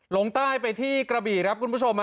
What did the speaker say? ลงใต้ไปที่กระบี่ครับคุณผู้ชม